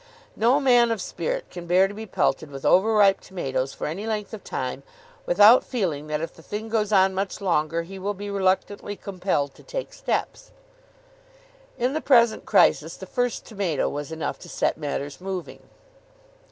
No man of spirit can bear to be pelted with over ripe tomatoes for any length of time without feeling that if the thing goes on much longer he will be reluctantly compelled to take steps. In the present crisis, the first tomato was enough to set matters moving.